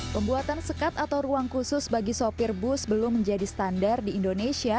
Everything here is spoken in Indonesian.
pembuatan sekat atau ruang khusus bagi sopir bus belum menjadi standar di indonesia